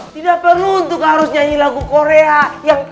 tidak perlu untuk harus nyanyi lagu korea